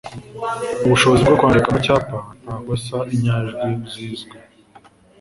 Ubushobozi bwo kwandika mu cyapa nta kosa inyajwi zizwe.